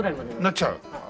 なっちゃう。